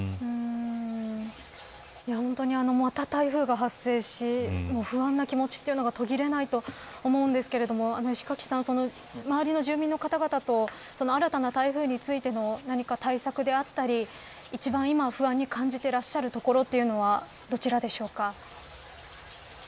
また台風が発生し不安な気持ちが途切れないと思うんですけれど周りの住民の方々と新たな台風についての何か対策であったり今一番不安に感じていらっしゃるところどちらでしょうか。